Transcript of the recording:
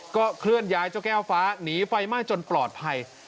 เคลื่อนย้ายเจ้าแก้วฟ้าหนีไฟไหม้จนปลอดภัย